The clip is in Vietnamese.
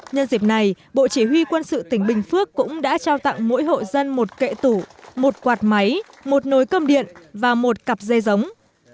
nhân dịp này bộ chỉ huy quân sự tỉnh bình phước cũng đã trao tặng mỗi hộ dân một kệ tủ một quạt máy một nồi cơm điện và một cặp dây giống